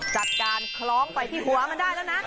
จัดการคล้องไปที่หัวมันได้แล้วนะ